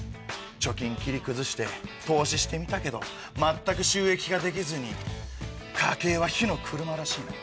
貯金切り崩して投資してみたけど全く収益化できずに家計は火の車らしいな？